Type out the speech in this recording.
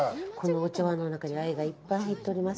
お茶わんの中に愛がいっぱい入っております。